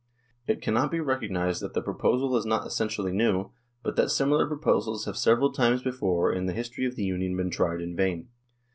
It cannot but be recognised that the proposal is not essentially new, but that similar proposals have seve ral times before in the history of the Union been tried in vain.